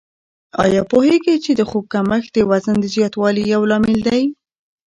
آیا پوهېږئ چې د خوب کمښت د وزن د زیاتوالي یو لامل دی؟